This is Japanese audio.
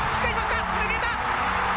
抜けた！